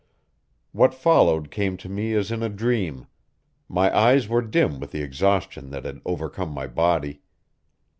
What followed came to me as in a dream; my eyes were dim with the exhaustion that had overcome my body.